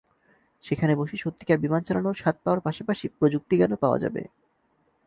সেখানে বসে সত্যিকার বিমান চালানোর স্বাদ পাওয়ার পাশাপাশি প্রযুক্তিজ্ঞানও পাওয়া যাবে।